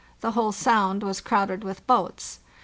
The whole sound was crowded with boats.